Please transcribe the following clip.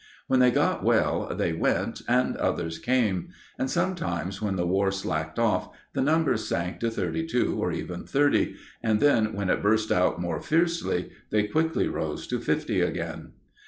When they got well, they went and others came; and sometimes, when the War slacked off, the numbers sank to thirty two, or even thirty, and then, when it burst out more fiercely, they quickly rose to fifty again.